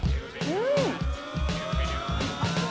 うん！